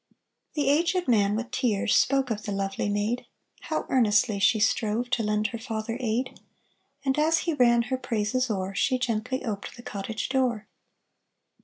The aged man with tears Spoke of the lovely maid; How earnestly she strove To lend her father aid, And as he ran Her praises o'er, She gently oped The cottage door.